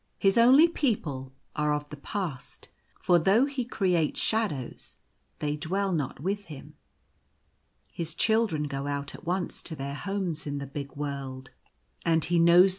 His only people are of the past ; for though he creates shadows they dwell not with him. His children go out at once to their homes in the bier world, and he knows At his Task.